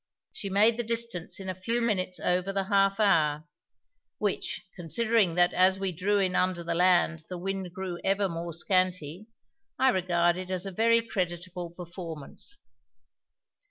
She made the distance in a few minutes over the half hour, which, considering that as we drew in under the land the wind grew ever more scanty, I regarded as a very creditable performance.